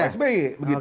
zaman psb begitu